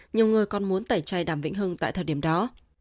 nhiều người còn muốn tẩy chay đàm vĩnh hưng tại thời điểm đó